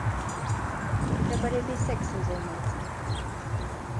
Трэба лепей сэксам займацца.